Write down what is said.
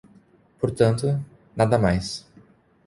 Portanto, nada mais.